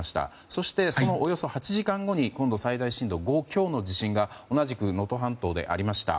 そして、そのおよそ８時間後に最大震度５強の地震が同じく能登半島でありました。